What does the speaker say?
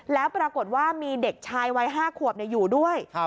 แล้วปรากฏว่ามีเด็กชายวัย๕ขวบอยู่ด้วย